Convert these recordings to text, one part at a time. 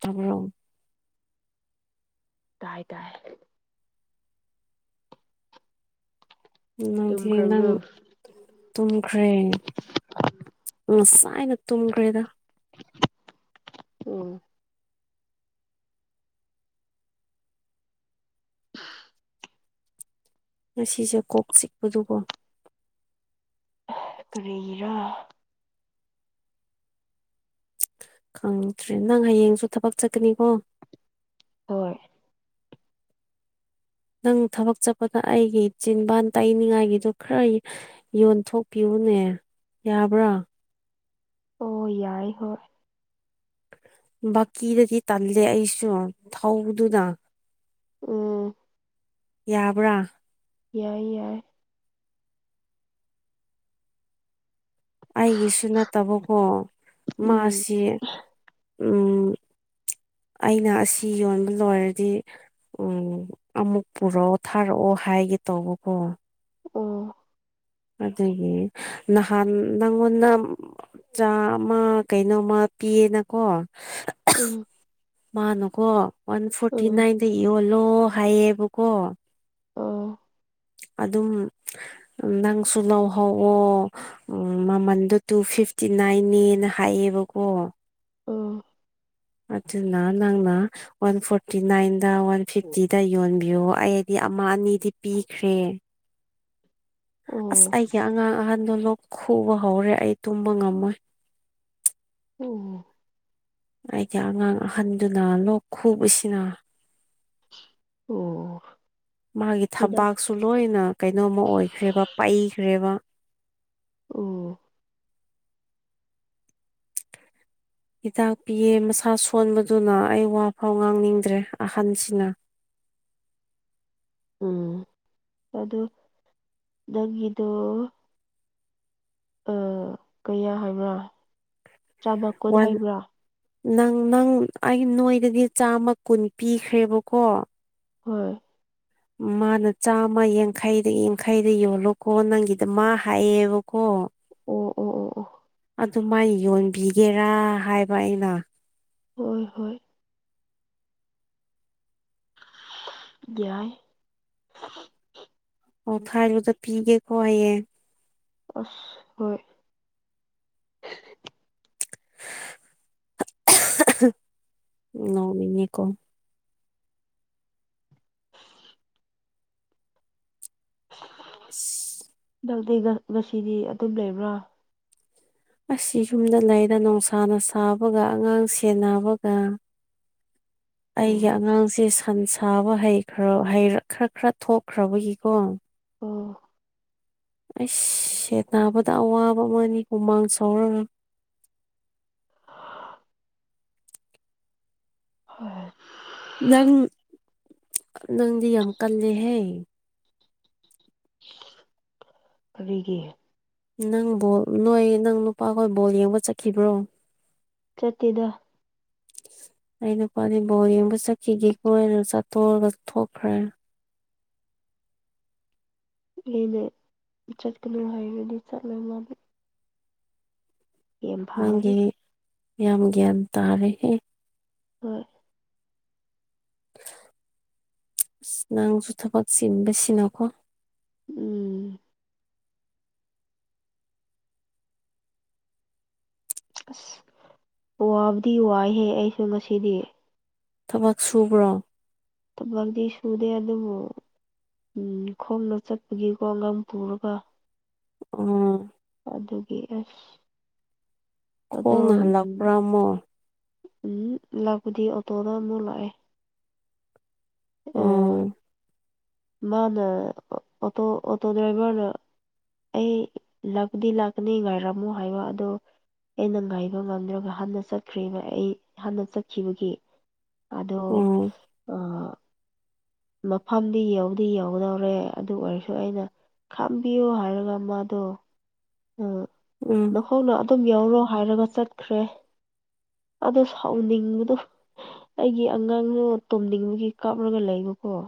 ꯇꯕꯔꯣ ꯇꯥꯏ ꯇꯥꯏ ꯅꯪꯗꯤ ꯅꯪ ꯇꯨꯝꯈ꯭ꯔꯕ꯭ꯔꯣ ꯇꯨꯝꯈ꯭ꯔꯦ ꯉꯁꯥꯏꯅ ꯇꯨꯝꯈ꯭ꯔꯦꯗ ꯑꯣꯝ ꯉꯁꯤꯁꯦ ꯀꯣꯛ ꯆꯤꯛꯄꯗꯨꯀꯣ ꯀꯦꯔꯥ ꯈꯪꯗ꯭ꯔꯦ ꯅꯪ ꯍꯌꯦꯡꯁꯨ ꯊꯕꯛ ꯆꯠꯀꯅꯤꯀꯣ ꯍꯣꯏ ꯅꯪ ꯊꯕꯛ ꯆꯠꯄꯗ ꯑꯩꯒꯤ ꯆꯤꯟꯕꯥꯟ ꯇꯥꯏꯅꯤꯡꯉꯥꯏꯒꯤꯗꯨ ꯈꯔ ꯌꯣꯟꯊꯣꯛꯄꯤꯌꯨ ꯑꯗꯨꯅꯦ ꯌꯥꯕ꯭ꯔꯥ ꯑꯣ ꯌꯥꯏ ꯍꯣꯏ ꯕꯀꯤꯗꯗꯤ ꯇꯜꯂꯦ ꯑꯩꯁꯨ ꯊꯧꯕꯗꯨꯗ ꯑ ꯌꯥꯕ꯭ꯔꯥ ꯌꯥꯏ ꯌꯥꯏ ꯑꯩꯒꯤꯁꯨ ꯅꯠꯇꯕꯀꯣ ꯎꯝ ꯃꯥꯁꯤ ꯑꯩꯅ ꯑꯁꯤ ꯌꯣꯟꯕ ꯂꯣꯏꯔꯗꯤ ꯎꯝ ꯑꯃꯨꯛ ꯄꯨꯔꯛꯑꯣ ꯊꯥꯔꯛꯑꯣ ꯍꯥꯏꯒꯦ ꯇꯧꯕꯀꯣ ꯎ ꯑꯗꯨꯗꯒꯤ ꯅꯥꯟ ꯅꯪꯣꯟꯅ ꯆꯥ ꯑꯃ ꯀꯩꯅꯣꯃ ꯄꯤꯌꯦꯅꯀꯣ ꯎꯝ ꯃꯥꯅꯨꯀꯣ ꯋꯥꯟ ꯐꯣꯔꯇꯤ ꯎꯝ ꯅꯥꯏꯟꯗ ꯌꯣꯜꯂꯣ ꯍꯥꯏꯌꯦꯕꯀꯣ ꯑ ꯑꯗꯨꯝ ꯅꯪꯁꯨ ꯂꯧꯍꯧꯋꯑꯣ ꯃꯃꯟꯗꯣ ꯇꯨ ꯐꯤ ꯐꯤꯐꯇꯤ ꯅꯥꯏꯟꯅꯅ ꯍꯥꯏꯌꯦꯕꯀꯣ ꯑ ꯑꯗꯨꯅ ꯅꯪꯅ ꯋꯥꯟ ꯐꯣꯔꯇꯤ ꯅꯥꯏꯟꯗ ꯋꯥꯟ ꯐꯤꯐꯇꯤꯗ ꯌꯣꯟꯕꯤꯌꯣ ꯑꯩꯗꯤ ꯑꯃ ꯑꯅꯤꯗꯤ ꯄꯤꯈ꯭ꯔꯦ ꯑꯁ ꯑꯣ ꯑꯩꯒꯤ ꯑꯉꯥꯡ ꯑꯍꯟꯗꯣ ꯂꯣꯛ ꯈꯨꯕ ꯍꯧꯔꯦ ꯑꯩ ꯇꯨꯝꯕ ꯉꯝꯃꯣꯏ ꯑꯣ ꯑꯩꯒꯤ ꯑꯉꯥꯡ ꯑꯍꯟꯗꯨꯅ ꯂꯣꯛ ꯈꯨꯕꯁꯤꯅ ꯑꯣ ꯃꯥꯒꯤ ꯍꯤꯗꯥꯛ ꯊꯕꯥꯛꯁꯨ ꯂꯣꯏꯅ ꯀꯩꯅꯣꯝꯃ ꯑꯣꯏꯈ꯭ꯔꯦꯕ ꯄꯩꯈ꯭ꯔꯦꯕ ꯑꯣ ꯍꯤꯗꯥꯛ ꯄꯤꯌꯦ ꯃꯁꯥ ꯁꯣꯟꯕꯗꯨꯅ ꯑꯩ ꯋꯥꯐꯥꯎ ꯉꯥꯡꯅꯤꯡꯗ꯭ꯔꯦ ꯑꯍꯟꯁꯤꯅ [inaudible] ꯎꯝ ꯑꯗ ꯅꯪꯒꯗꯨ ꯑ ꯀꯌꯥ ꯍꯥꯏꯕ꯭ꯔꯥ ꯆꯥꯝꯃ ꯀꯨꯟ ꯋꯥꯟ ꯍꯥꯏꯕ꯭ꯔꯥ ꯅꯪ ꯅꯪ ꯑꯩ ꯅꯣꯏꯗꯗꯤ ꯆꯥꯝꯃ ꯀꯨꯟ ꯄꯤꯈ꯭ꯔꯦꯕꯀꯣ ꯍꯣꯏ ꯃꯥꯅ ꯆꯥꯝꯃ ꯌꯥꯡꯈꯩꯗ ꯌꯥꯡꯈꯩꯗ ꯌꯣꯜꯂꯣꯀꯣ ꯅꯪꯒꯤꯗ ꯃꯥ ꯍꯥꯏꯌꯦꯕꯀꯣ ꯑꯣ ꯑꯣ ꯑꯣ ꯑꯣ ꯑꯗꯨꯃꯥꯏꯅ ꯌꯣꯟꯕꯤꯒꯦꯔꯥ ꯍꯥꯏꯕ ꯑꯩꯅ ꯍꯣꯏ ꯍꯣꯏ ꯌꯥꯏ ꯑꯣ ꯐꯕꯗ ꯄꯤꯒꯦꯀꯣ ꯍꯌꯦꯡ [inaudible] ꯑꯁ ꯍꯣꯏ ꯅꯣꯛꯅꯤꯡꯌꯦ ꯀꯣ [inaudible] ꯏꯁ ꯅꯪꯗꯤ ꯉꯁꯤꯗꯤ ꯑꯗꯨꯝ ꯂꯩꯕ꯭ꯔꯥ ꯑꯁꯤ ꯌꯨꯝꯗ ꯂꯩꯔ ꯅꯨꯡꯁꯥꯅ ꯁꯥꯕꯒ ꯑꯉꯥꯡ ꯁꯦꯟꯅꯕꯒ [unintelligible] ꯑꯩꯒꯤ ꯑꯉꯥꯡꯁꯦ ꯁꯟ ꯁꯥꯕ ꯍꯩꯔ ꯍꯩ ꯈꯔ ꯈꯔ ꯈꯔ ꯊꯣꯛꯈ꯭ꯔꯕꯒꯤꯀꯣ ꯑꯣ ꯁꯦꯟꯅꯥꯕꯗ ꯑꯋꯥꯕ ꯑꯃꯅꯤ ꯍꯨꯃꯥꯡ ꯁꯧꯔꯒ [unintelligible] ꯍꯣꯏ ꯍꯣꯏ [inaudible] ꯅꯪ ꯅꯪꯗꯤ ꯌꯥꯝ ꯀꯜꯂꯦꯍꯦ ꯀꯔꯤꯒꯤ ꯅꯪ ꯕꯣꯜ ꯅꯣꯏ ꯅꯪ ꯅꯨꯄꯥꯈꯣꯏ ꯕꯣꯜ ꯌꯦꯡꯕ ꯆꯠꯈꯤꯕ꯭ꯔꯣ ꯆꯠꯇꯦꯗ ꯑꯩ ꯅꯨꯄꯥꯗꯤ ꯕꯣ ꯌꯦꯡꯕ ꯆꯠꯈꯤꯒꯦ ꯀꯣ ꯍꯥꯢꯅ ꯆꯠꯇꯣꯛꯑꯒ ꯊꯣꯛꯈ꯭ꯔꯦ ꯑꯩꯅ ꯆꯠꯀꯅꯨ ꯍꯥꯏꯔꯗꯤ ꯆꯠꯂꯣꯢ ꯃꯥꯗꯤ ꯌꯥꯝ ꯅꯪꯒꯤ ꯐꯥꯕꯅꯦ ꯌꯥꯝ ꯒ꯭ꯌꯥꯟ ꯇꯥꯔꯦꯍꯦ ꯍꯣꯏ ꯅꯪ ꯊꯕꯛ ꯆꯤꯟꯕꯥ ꯁꯤꯅꯀꯣ ꯎꯝ ꯑꯁ ꯋꯥꯕꯨꯗꯤ ꯋꯥꯏꯍꯦ ꯑꯩꯁꯨ ꯉꯁꯤꯗꯤ ꯊꯕꯛ ꯁꯨꯕ꯭ꯔꯣ ꯊꯕꯛꯗꯤ ꯁꯨꯗꯦ ꯑꯗꯨꯕꯨ ꯎ ꯈꯣꯡꯗ ꯆꯠꯄꯒꯤꯀꯣ ꯑꯉꯥꯡ ꯄꯨꯔꯒ ꯎꯝ ꯑꯗꯨꯒꯤ ꯑꯁ ꯑꯗꯣ ꯈꯣꯡꯅ ꯎꯝ ꯍꯂꯥꯛꯄ꯭ꯔꯥ ꯑꯃꯨꯛ ꯎꯝ ꯂꯥꯛꯄꯗꯤ ꯑꯣꯇꯣꯗ ꯑꯃꯨꯛ ꯂꯥꯛꯑꯦ ꯑꯝ ꯑꯣ ꯃꯥꯅ ꯑꯣꯇꯣ ꯑꯣꯇꯣ ꯗ꯭ꯔꯥꯏꯚꯔꯅ ꯑꯩ ꯂꯛꯗꯤ ꯂꯥꯛꯀꯅꯤ ꯉꯥꯏꯔꯝꯃꯣ ꯍꯥꯏꯕ ꯑꯗꯣ ꯑꯩꯅ ꯉꯥꯏꯕ ꯉꯝꯗ꯭ꯔꯒ ꯍꯥꯟꯅ ꯆꯠꯈ꯭ꯔꯦꯕ ꯑꯩ ꯍꯥꯟꯅ ꯆꯠꯈꯤꯕꯒꯤ ꯑꯗꯣ ꯑꯣ ꯑ ꯃꯐꯝꯗꯤ ꯌꯧꯗꯤ ꯌꯧꯗꯧꯔꯦ ꯑꯗꯨ ꯑꯣꯏꯔꯁꯨ ꯑꯩꯅ ꯈꯥꯝꯕꯤꯌꯣ ꯍꯥꯏꯔꯒ ꯃꯥꯗꯣ ꯎ ꯎꯝ ꯅꯈꯣꯡꯅ ꯑꯗꯨꯝ ꯌꯥꯎꯔꯣ ꯍꯥꯏꯔꯒ ꯆꯠꯈ꯭ꯔꯦ ꯑꯗꯣ ꯁꯥꯎꯅꯤꯡꯕꯗꯣ ꯑꯩꯒꯤ ꯑꯉꯥꯡꯗꯣ ꯇꯣꯝꯅꯤꯡꯕꯒꯤ ꯀꯥꯞꯂꯒ ꯂꯩꯕꯀꯣ ꯑꯣ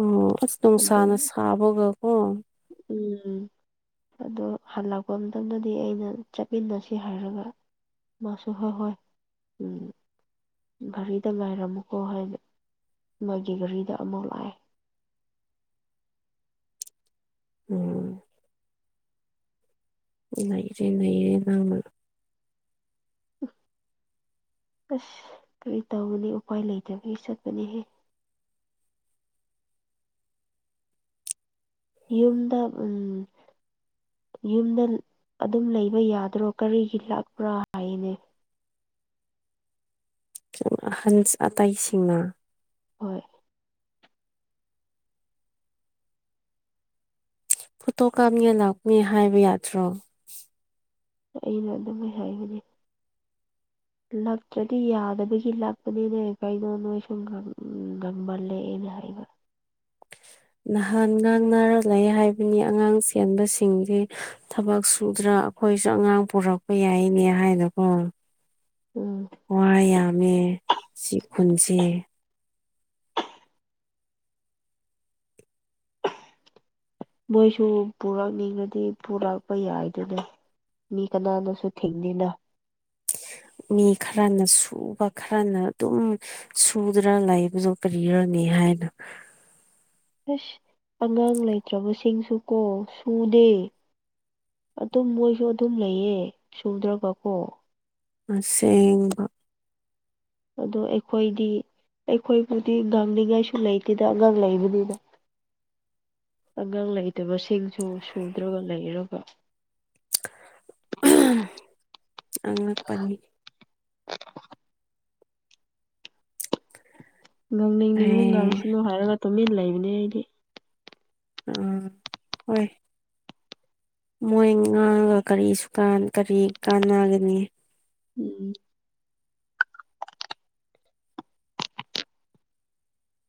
ꯑꯣ ꯑꯁ ꯅꯨꯡꯁꯥꯅ ꯁꯥꯕꯒꯀꯣ ꯎꯝ ꯑꯗꯨ ꯍꯜꯂꯛꯄ ꯃꯇꯝꯗꯗꯤ ꯑꯩꯅ ꯆꯠꯃꯤꯟꯅꯁꯤ ꯍꯥꯏꯔꯒ ꯃꯥꯁꯨ ꯍꯣꯏ ꯍꯣꯏ ꯎ ꯘꯔꯤꯗ ꯉꯥꯏꯔꯝꯃꯨꯀꯣ ꯍꯥꯏꯅ ꯃꯒꯤ ꯘꯔꯤꯗ ꯑꯃꯨꯛ ꯂꯥꯛꯑꯦ ꯎꯝ ꯅꯩꯔꯦ ꯅꯩꯔꯦ ꯅꯪꯅꯥ ꯑꯁ ꯀꯔꯤ ꯇꯧꯒꯅꯤ ꯎꯄꯥꯏ ꯂꯩꯇꯕꯩ ꯆꯠꯄꯅꯦꯍꯦ ꯌꯨꯝꯗ ꯎ ꯌꯨꯝꯗ ꯑꯗꯨꯝ ꯂꯩꯕ ꯌꯥꯗ꯭ꯔꯣ ꯀꯔꯤꯒꯤ ꯂꯥꯛꯄ꯭ꯔꯥ ꯍꯥꯏꯅꯦ ꯑꯍꯟ ꯑꯇꯩꯁꯤꯡꯅ ꯍꯣꯏ ꯐꯨꯇꯣ ꯀꯥꯞꯅꯤꯉꯥꯏ ꯂꯥꯛꯅꯤ ꯍꯥꯏꯕ ꯌꯥꯗ꯭ꯔꯣ ꯑꯩꯅ ꯑꯗꯨꯝꯥꯏ ꯍꯥꯏꯕꯅꯦ ꯂꯞꯇ꯭ꯔꯗꯤ ꯌꯥꯗꯕꯒꯤ ꯂꯄꯅꯤꯅꯦ ꯀꯩꯅꯣ ꯅꯣꯏ ꯁꯨꯝ ꯉꯪꯕꯜꯂꯦ ꯅ ꯍꯥꯏꯕ ꯅꯍꯥꯟ ꯉꯥꯡꯅꯔꯥ ꯂꯩ ꯍꯥꯏꯕꯅꯤ ꯑꯉꯥꯡ ꯆꯦꯟꯕꯁꯤꯡꯁꯤ ꯊꯕꯛ ꯁꯨꯗ꯭ꯔꯥ ꯑꯩꯈꯣꯏꯁꯨ ꯑꯉꯥꯡ ꯄꯨꯔꯛꯄ ꯌꯥꯏꯅꯦ ꯍꯥꯏꯅꯀꯣ ꯎꯝ ꯋꯥ ꯌꯥꯝꯃꯦ ꯁꯤ ꯈꯨꯟꯁꯦ ꯃꯣꯏꯁꯨ ꯄꯨꯔꯛꯅꯤꯡꯉꯗꯤ ꯄꯨꯔꯛꯄ ꯌꯥꯏꯗꯨꯅ ꯃꯤ ꯀꯅꯥꯅꯁꯨ ꯊꯤꯡꯂꯤꯅ ꯃꯤ ꯈꯔꯅ ꯁꯨꯕ ꯈꯔꯅ ꯑꯗꯨꯝ ꯁꯨꯗ꯭ꯔ ꯂꯩꯕꯗꯣ ꯀꯔꯤꯔꯅꯤ ꯍꯥꯏꯅ [inaudible] ꯑꯁ ꯑꯉꯥꯡ ꯂꯩꯇ꯭ꯔꯕꯁꯤꯡꯁꯨ ꯀꯣ ꯁꯨꯗꯦ ꯑꯗꯨꯝ ꯃꯣꯏꯁꯨ ꯑꯗꯨꯝ ꯂꯩꯌꯦ ꯁꯨꯗ꯭ꯔꯕꯀꯣ ꯑꯁꯦꯡꯕ ꯑꯗꯣ ꯑꯩꯈꯣꯏꯗꯤ ꯑꯩꯈꯣꯏꯕꯨꯗꯤ ꯉꯥꯡꯅꯤꯡꯉꯥꯏꯁꯨ ꯂꯩꯇꯦꯗ ꯑꯉꯥꯡ ꯂꯩꯕꯅꯤꯅ ꯑꯒꯥꯡ ꯂꯩ ꯃꯁꯤꯡꯁꯨ ꯁꯨꯗ꯭ꯔꯒ ꯂꯩꯔꯒ ꯑꯉꯛꯄꯅꯤ ꯉꯥꯡꯅꯤꯡꯅꯤꯡꯕ ꯑꯦ ꯉꯥꯡꯁꯅꯨ ꯍꯥꯏꯔꯒ ꯇꯨꯃꯤꯟꯅ ꯂꯩꯕꯅꯦ ꯑꯩꯗꯤ ꯑꯝ ꯍꯣꯏ ꯃꯣꯏ ꯉꯥꯡꯉꯒ ꯀꯔꯤ ꯁꯨꯀꯥꯟ ꯀꯔꯤ ꯀꯥꯟꯅꯒꯅꯤ ꯎꯝ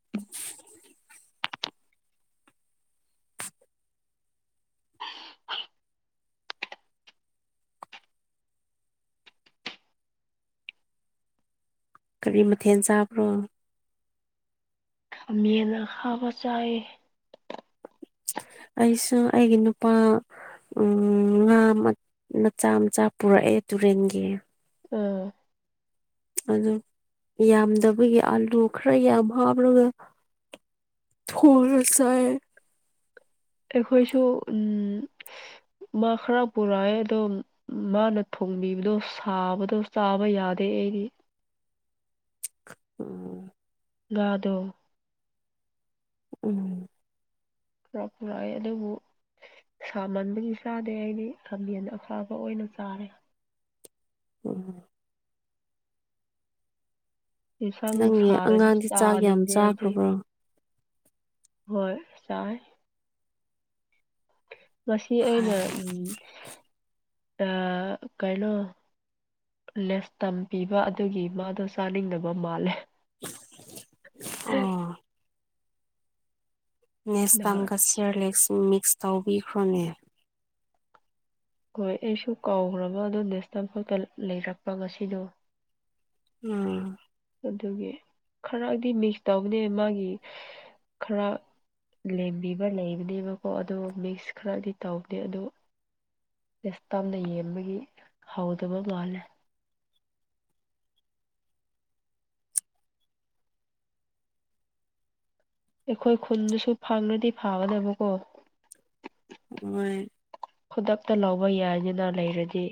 [inaudible] ꯀꯔꯤ ꯃꯊꯦꯜ ꯆꯥꯕ꯭ꯔꯣ ꯈꯥꯃꯦꯟ ꯑꯈꯥꯕ ꯆꯥꯏꯌꯦ ꯑꯩꯁꯨ ꯑꯩꯒꯤ ꯅꯨꯄꯥ ꯎꯝ ꯉꯥ ꯃꯆꯥ ꯃꯆꯥ ꯄꯨꯔꯛꯑꯦ ꯇꯨꯔꯦꯟꯒꯤ ꯑꯝ ꯑꯗꯨ ꯌꯥꯝꯗꯕꯒꯤ ꯑꯥꯂꯨ ꯈꯔ ꯌꯥꯝ ꯍꯥꯞ ꯔꯒ ꯊꯨꯔꯁꯦ ꯑꯩꯈꯣꯏꯁꯨ ꯎꯝ ꯃꯥ ꯈꯔ ꯄꯨꯔꯛꯑꯦ ꯑꯗꯣ ꯃꯥꯅ ꯊꯣꯡꯕꯤꯕꯗꯣ ꯁꯥꯕꯗꯣ ꯆꯥꯕ ꯌꯥꯗꯦ ꯑꯦꯔꯤ ꯎꯝ ꯉꯥꯗꯣ ꯎꯝ ꯄ꯭ꯔ ꯄꯨꯔꯛꯑꯦ ꯑꯗꯣꯕꯨ ꯁꯥꯃꯟꯕꯒꯤ ꯆꯥꯗꯦ ꯑꯩꯗꯤ ꯈꯥꯃꯦꯟꯗ ꯑꯐꯕ ꯑꯣꯏꯅ ꯆꯥꯔꯦ ꯎꯝ ꯌꯦꯟꯁꯥꯡ ꯅꯪꯒꯤ ꯁꯥꯔꯗꯤ ꯑꯉꯥꯡꯗꯤ ꯆꯥꯛ ꯌꯥꯝ ꯆꯥꯅꯤꯡꯗꯦ ꯑꯩꯗꯤ ꯆꯥꯈ꯭ꯔꯕ꯭ꯔꯣ ꯍꯣꯏ ꯆꯥꯏ ꯃꯁꯤ ꯑꯩꯅ ꯎ ꯑ ꯀꯩꯅꯩꯅꯣ ꯂꯦꯁ ꯇꯝ ꯄꯤꯕ ꯑꯗꯨꯒꯤ ꯃꯥꯗꯣ ꯆꯥꯅꯤꯡꯗꯕ ꯃꯥꯜꯂꯦ ꯑꯣ ꯅꯍꯥꯟ ꯅꯦꯛꯁꯇꯝꯒ ꯆꯌꯔꯂꯦꯛꯁ ꯃꯤꯛꯁ ꯇꯧꯕꯤꯈ꯭ꯔꯣꯅꯦ ꯍꯣꯏ ꯑꯩꯁꯨ ꯀꯥꯎꯈ꯭ꯔꯕ ꯑꯣ ꯅꯦꯁꯇꯝꯐꯥꯎꯇ ꯂꯩꯔꯛꯄ ꯉꯁꯤꯗꯣ ꯎꯝ ꯑꯗꯨꯒꯤ ꯈꯔꯗꯤ ꯃꯤꯛꯁ ꯇꯧꯕꯅꯦ ꯃꯥꯒꯤ ꯈꯔ ꯂꯦꯝꯕꯤꯕ ꯂꯩꯕꯅꯦꯕꯀꯣ ꯑꯗꯣ ꯃꯤꯛꯁ ꯈꯔꯗꯤ ꯇꯧꯗꯦ ꯑꯗꯣ ꯇꯁ ꯇꯥꯝꯅ ꯌꯦꯡꯕꯒꯤ ꯍꯥꯎꯗꯕ ꯃꯥꯜꯂꯦ ꯑꯩꯈꯣꯏ ꯈꯨꯟꯗꯨꯁꯨ ꯐꯥꯡꯅꯗꯤ ꯐꯥꯒꯗꯕꯀꯣ ꯍꯣꯏ ꯈꯨꯗꯛꯇ ꯂꯧꯕ ꯌꯥꯏꯗꯅ ꯂꯩꯔꯗꯤ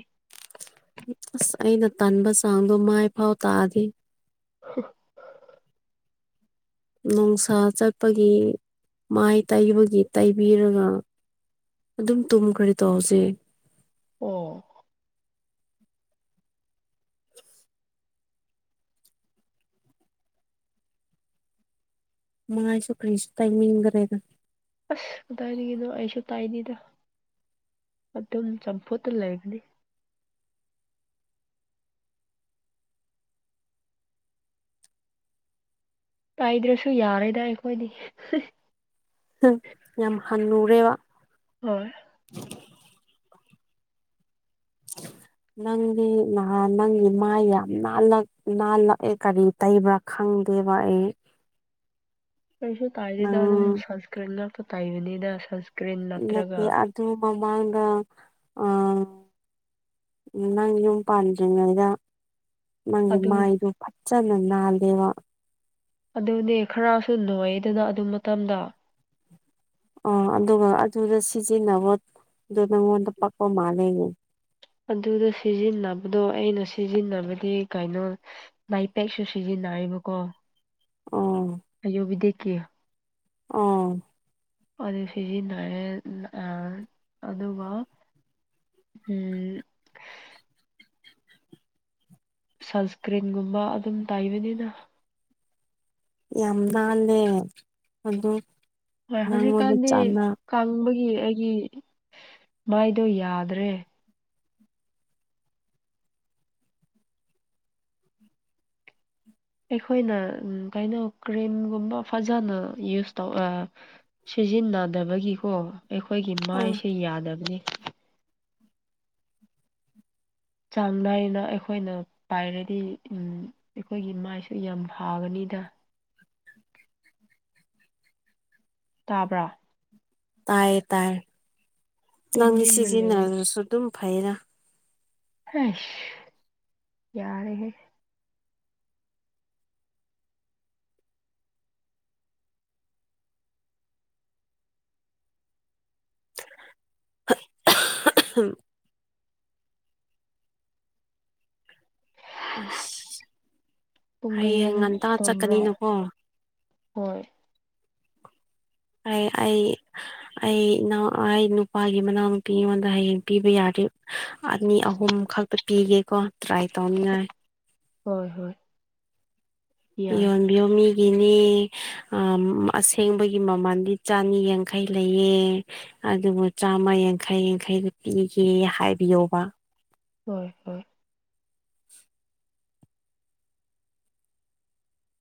ꯑꯁ ꯑꯩꯅ ꯇꯟꯕ ꯆꯥꯡꯗꯣ ꯃꯥꯏꯐꯥꯎ ꯇꯥꯛꯑꯗꯤꯦ [inaudible] ꯅꯨꯡꯁꯥ ꯆꯠꯄꯒꯤ ꯃꯥꯏ ꯇꯩꯕꯒꯤ ꯇꯩꯕꯤꯔꯒ ꯑꯗꯨꯝ ꯇꯨꯝ ꯈꯔꯤ ꯇꯧꯁꯦ ꯑꯣ ꯃꯥꯁꯨ ꯐ꯭ꯔꯦꯁ ꯇꯥꯏꯃꯤꯗꯔꯦꯗ ꯗꯥꯥꯏꯅꯤ ꯀꯅꯣ ꯑꯩꯁꯨ ꯇꯥꯏꯅꯤꯗ ꯑꯗꯨꯝ ꯆꯝꯐꯨꯠꯇ ꯂꯩꯒꯅꯤ ꯀꯥꯏꯗ꯭ꯔꯁꯨ ꯌꯥꯔꯦꯗ ꯑꯩꯈꯣꯏꯗꯤ ꯝ ꯌꯥꯝ ꯍꯟꯅꯨꯨꯔꯦ ꯋꯥ ꯍ [inaudible] ꯅꯪꯒꯤ ꯅꯍ ꯅꯪꯒꯤ ꯃꯥꯏ ꯌꯥꯝ ꯅꯥꯜꯂꯛꯑꯦ ꯀꯔꯤ ꯇꯩꯕ꯭ꯔꯥ ꯈꯪ ꯗꯦꯕꯥꯛꯑ ꯄꯩꯁꯨ ꯇꯥꯏꯗꯗ ꯑꯗꯨꯝ ꯁꯁꯀꯔꯅꯤꯡ ꯉ ꯇꯥꯏꯕꯤꯅꯤꯗ ꯅꯠꯇꯦ ꯑꯗꯨ ꯃꯃꯥꯡꯗ ꯑ ꯅꯪ ꯌꯨꯝ ꯄꯥꯟꯗ꯭ꯔꯤꯉꯩꯗ ꯅꯪꯒꯤ ꯑꯗꯨ ꯃꯥ ꯏꯗꯨ ꯐꯆꯅ ꯅꯜꯦ ꯋꯥ ꯑꯗꯨꯅꯦ ꯈꯔꯁꯨ ꯅꯣꯏꯗꯅ ꯑꯗꯨ ꯃꯇꯝꯗ ꯑ ꯑꯗꯨꯒ ꯑꯗꯨꯗ ꯁꯤꯖꯤꯟꯅꯕꯗ ꯅꯪꯉꯣꯟꯗ ꯄꯛꯄ ꯃꯥꯜꯂꯦꯅꯦ ꯑꯗꯨꯗ ꯁꯤꯖꯤꯟꯅꯕꯗꯣ ꯑꯩꯅ ꯁꯤꯖꯤꯟꯅꯕꯗꯤ ꯀꯩꯅꯣ ꯥꯏꯄꯦꯛꯁꯨ ꯁꯤꯖꯤꯟꯅ ꯌꯥꯥꯏꯕꯀꯣ ꯑꯣ ꯑꯌꯨꯕꯤ ꯗꯈꯤ ꯑꯥ ꯑꯗꯨ ꯁꯤꯖꯤꯟꯅꯔꯦ ꯑꯗꯨꯒ ꯎꯝ ꯁꯟꯁꯀ꯭ꯔꯤꯟꯒꯨꯝꯕ ꯑꯗꯨꯝ ꯇꯥꯏꯕꯅꯤꯅ ꯌꯥꯝꯗꯂꯦ ꯑꯗꯨꯣ ꯍꯣꯏ ꯍꯧꯖꯤꯛꯀꯥꯟꯗꯤ ꯀꯪꯕꯒꯤ ꯑꯩꯒꯤ ꯃꯥꯏꯗꯣ ꯌꯥꯗ꯭ꯔꯦ ꯑꯩꯈꯣꯏꯅ ꯀꯩꯅꯣ ꯀ꯭ꯔꯤꯝꯒꯨꯝꯕ ꯐꯖꯅ ꯌꯨꯁ ꯇꯧ ꯁꯤꯖꯤꯟꯅꯗꯕꯒꯤꯀꯣ ꯑꯩꯈꯣꯏꯒꯤ ꯎꯝ ꯃꯥꯏꯁꯦ ꯌꯥꯗꯕꯅꯤ ꯆꯥꯡ ꯅꯥꯏꯅ ꯑꯩꯈꯣꯏꯅ ꯄꯥꯏꯔꯗꯤ ꯑꯩꯈꯣꯏꯒꯤ ꯃꯥꯏꯁꯨ ꯌꯥꯝ ꯐꯒꯅꯤ ꯗ ꯇꯥꯕ꯭ꯔꯥ ꯇꯥꯏ ꯇꯥꯏ ꯅꯪꯗꯤ ꯇꯨꯃꯤꯟꯅ ꯂꯩ ꯁꯤꯖꯤꯟꯅꯔꯁꯨ ꯑꯗꯨꯝ ꯐꯩꯔꯥ ꯑ ꯌꯥꯔ ꯍ ꯎ ꯑꯁ ꯄꯨꯡ ꯍꯌꯦꯡ ꯀꯌꯥꯗ ꯉꯟꯇꯥ ꯇꯨꯝꯕ꯭ꯔꯥ ꯆꯠꯀꯅꯤꯅꯀꯣ ꯍꯣꯏ ꯑꯩ ꯑꯩ ꯑꯩ ꯏꯎ ꯑꯩ ꯅꯨꯄꯥꯒꯤ ꯃꯅꯥꯎ ꯅꯨꯨꯄꯤ ꯑꯩꯉꯣꯟꯗ ꯍꯌꯦꯡ ꯄꯤꯕ ꯌꯥꯔꯤ ꯑꯅꯤ ꯑꯍꯨꯝ ꯈꯛꯇ ꯄꯤꯒꯦꯀꯣ ꯇ꯭ꯔꯥꯏ ꯇꯧꯅꯤꯡꯉꯥꯏ ꯍꯣꯏ ꯍꯣꯏ ꯌꯥꯏ ꯌꯣꯟ ꯌꯣꯃꯤ ꯒꯤꯅꯦ ꯑꯁꯦꯡꯕꯒꯤ ꯃꯃꯜꯗꯤ ꯆꯅꯤ ꯌꯥꯡꯈꯩ ꯂꯩꯑ ꯑꯗꯨꯕꯨ ꯆꯥꯝꯃ ꯌꯥꯡꯈꯩ ꯌꯥꯡꯈꯩꯗ ꯄꯤꯒꯦ ꯍꯥꯏꯕꯤꯌꯕ ꯍꯣꯏ ꯍꯣꯏ [inaudible]